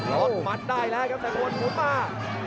โอ้โหมันได้แล้วครับแผนพนธ์หลบมา